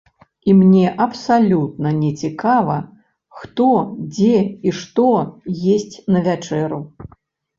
І мне абсалютна не цікава, хто, дзе і што есць на вячэру!